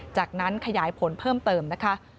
จากนั้นขยายผลเพิ่มเติมนะคะ